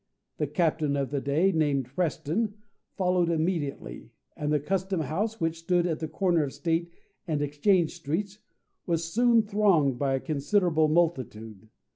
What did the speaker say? The captain of the day, named Preston, followed immediately, and the Custom House, which stood at the corner of State and Exchange Streets, was soon thronged by a considerable multitude.